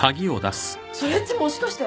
それっちもしかして。